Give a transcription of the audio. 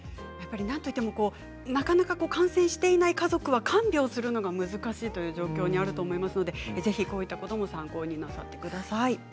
なかなか感染していない家族は看病するのが難しい状況にあると思いますのでこういったことも参考になさってください。